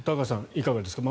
いかがですか。